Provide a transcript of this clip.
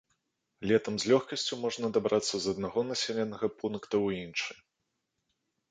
Летам з лёгкасцю можна дабрацца з аднаго населенага пункта ў іншы.